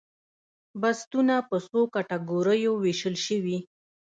بستونه په څو کټګوریو ویشل شوي؟